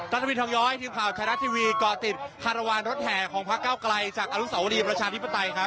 รัฐวินทองย้อยทีมข่าวไทยรัฐทีวีก่อติดคารวาลรถแห่ของพระเก้าไกลจากอนุสาวรีประชาธิปไตยครับ